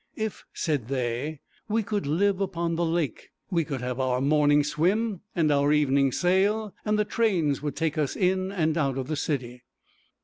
'If,' said they, 'we could live upon the lake, we could have our morning swim and our evening sail; and the trains would take us in and out of the city.'